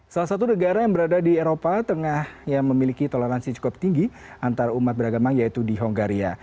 salah satu negara yang berada di eropa tengah yang memiliki toleransi cukup tinggi antar umat beragama yaitu di hongaria